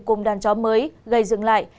cùng đàn chó mới gây dựng lại